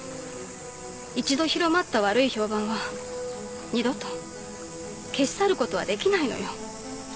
一度広まった悪い評判は二度と消し去ることはできないのよ。